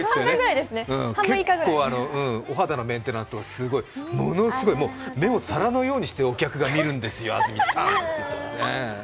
結構、お肌のメンテナンスなんて、すごい、ものすごい目を皿のようにしてお客が見るんですよ、安住さんって。